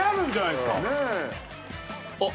あっ。